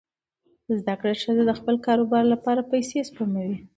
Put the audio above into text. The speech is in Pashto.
زده کړه ښځه د خپل کاروبار لپاره پیسې سپموي.